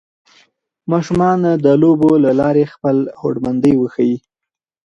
ماشومان د لوبو له لارې خپله هوډمندۍ وښيي